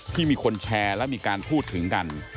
ที่มีคนแชร์และมีการพูดถึงกัน